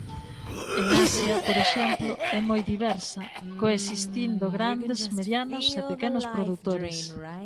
En Asia, por exemplo, é moi diversa, coexistindo grandes, medianos e pequenos produtores.